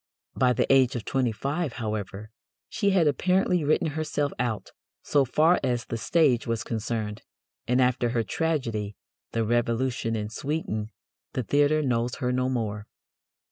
By the age of twenty five, however, she had apparently written herself out, so far as the stage was concerned, and after her tragedy, The Revolution in Sweden, the theatre knows her no more.